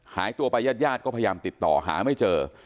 หายตัวไปญาติญาติก็พยายามติดต่อหาไม่เจอ